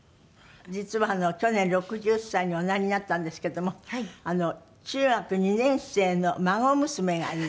実は去年６０歳におなりになったんですけども中学２年生の孫娘がいる。